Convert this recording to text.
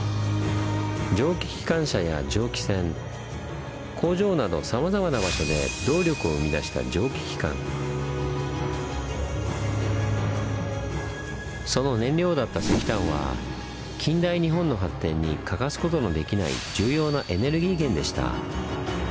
蒸気機関車や蒸気船工場などさまざまな場所でその燃料だった石炭は近代日本の発展に欠かすことのできない重要なエネルギー源でした。